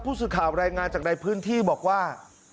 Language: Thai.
ผู้สื่อข่าวรายงานจากในพื้นที่บอกว่า